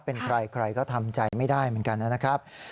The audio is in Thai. เป็นใครใครก็ทำใจไม่ได้เหมือนกันนะครับ